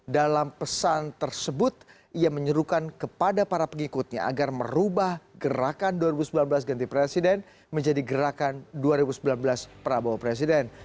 dalam pesan tersebut ia menyerukan kepada para pengikutnya agar merubah gerakan dua ribu sembilan belas ganti presiden menjadi gerakan dua ribu sembilan belas prabowo presiden